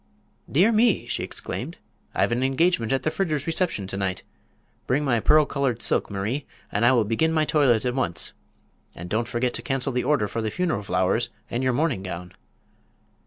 "Dear me!" she exclaimed; "I've an engagement at the Fritters' reception to night. Bring my pearl colored silk, Marie, and I will begin my toilet at once. And don't forget to cancel the order for the funeral flowers and your mourning gown."